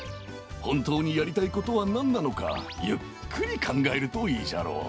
ほんとうにやりたいことはなんなのかゆっくりかんがえるといいじゃろう。